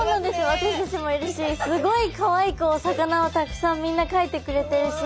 私たちもいるしすごいかわいくお魚をたくさんみんな描いてくれてるし。